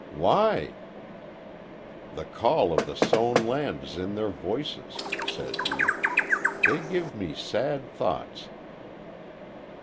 "Why?" "The call of the sown land is in their voices," said he. "They give me sad thoughts."